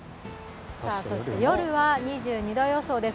夜は２２度予想です。